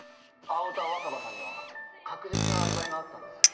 青田若葉さんには確実なアリバイがあったんです。